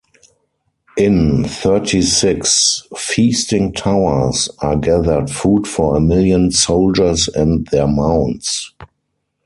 In thirty-six feasting towers are gathered food for a million soldiers and their mounts.